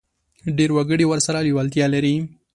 ډېر وګړي ورسره لېوالتیا لري.